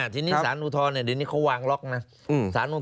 ทีนี้สารอุทธรณ์เดี๋ยวนี้เขาวางล็อกนะ